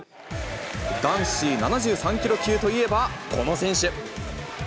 男子７３キロ級といえば、この選手。